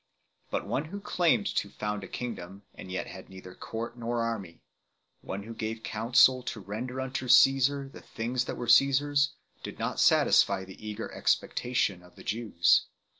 But one who claimed to found a Kingdom, and yet had neither court nor army; one who gave counsel to render unto Caesar the things that were Caesar s, did not satisfy the eager expectations of the Jews.